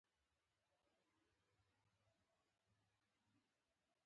دا د شتمن کېدو پر لور درېيم ګام دی.